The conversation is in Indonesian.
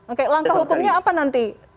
oke langkah hukumnya apa nanti